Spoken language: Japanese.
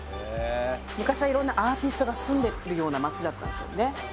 昔は色んなアーティストが住んでるような街だったんですよね